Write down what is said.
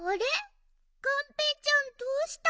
がんぺーちゃんどうしたの？